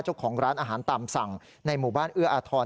เจ้าของร้านอาหารตามสั่งในหมู่บ้านเอื้ออาทร